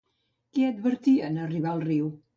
Què advertia en arribar al riu?